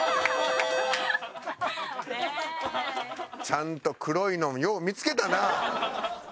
ちゃんと黒いのよう見付けたな。